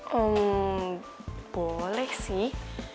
hmm boleh sih